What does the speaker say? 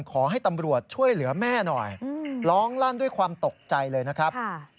ขอให้ตำรวจช่วยเหลือแม่หน่อยร้องลั่นด้วยความตกใจเลยนะครับ